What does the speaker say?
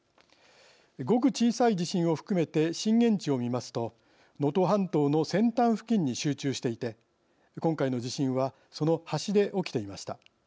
ごく小さい地震を含めて震源地を見ますと能登半島の先端付近に集中していて今回の地震はその端で起きていました。